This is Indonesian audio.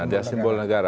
dia simbol negara